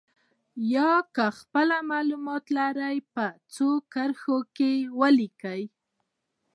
یا که خپله معلومات لرئ په څو کرښو کې یې ولیکئ.